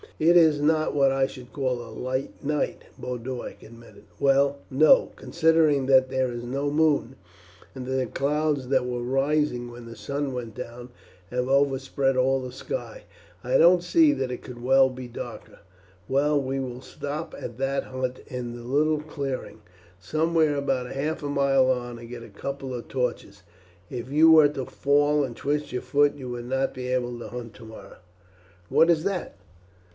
"It is not what I should call a light night," Boduoc admitted. "Well, no, considering that there is no moon, and that the clouds that were rising when the sun went down have overspread all the sky. I don't see that it could well be darker." "Well we will stop at that hut in the little clearing, somewhere about half a mile on, and get a couple of torches. If you were to fall and twist your foot you would not be able to hunt tomorrow." "What is that?"